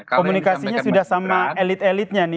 komunikasinya sudah sama elit elitnya nih